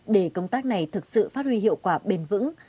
để công tác này thực sự phát huy hiệu quả bền vững